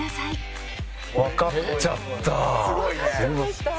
わかっちゃった！